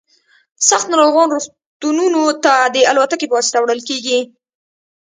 سخت ناروغان روغتونونو ته د الوتکې په واسطه وړل کیږي